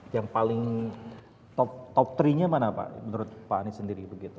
yang paling top tiga nya mana pak menurut pak anies sendiri begitu